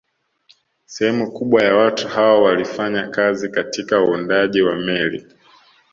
Sehemu kubwa ya watu hao walifanya kazi katika uundaji wa meli